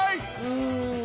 うん。